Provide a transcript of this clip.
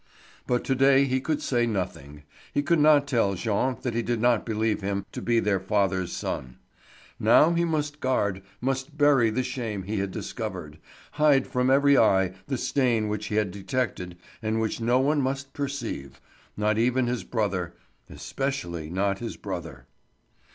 But to day he could say nothing; he could not tell Jean that he did not believe him to be their father's son. Now he must guard, must bury the shame he had discovered, hide from every eye the stain which he had detected and which no one must perceive, not even his brother—especially not his brother.